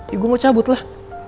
ya gue mau cabut lah